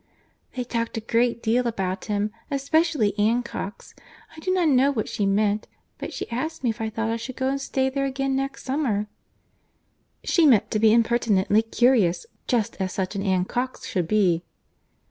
"They talked a great deal about him, especially Anne Cox. I do not know what she meant, but she asked me if I thought I should go and stay there again next summer." "She meant to be impertinently curious, just as such an Anne Cox should be."